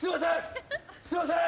すいません。